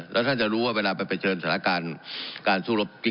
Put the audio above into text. แล้วท่านจะรู้ว่าเวลาไปเผชิญสถานการณ์การสู้รบ